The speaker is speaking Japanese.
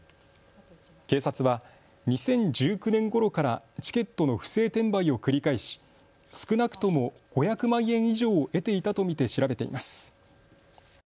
警察は２０１９年ごろからチケットの不正転売を繰り返し少なくとも５００万円以上を得ていたと見て調べています。